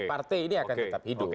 partai ini akan tetap hidup